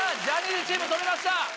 ジャニーズチーム止めました！